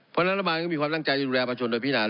พอรัฐบาลยังมีความตั้งใจดูแลประชุนโดยพินาศ